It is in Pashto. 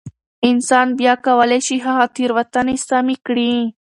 انسان بيا کولای شي هغه تېروتنې سمې کړي.